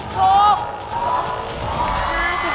ถูกถูก